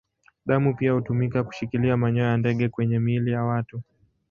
Damu pia hutumika kushikilia manyoya ya ndege kwenye miili ya watu.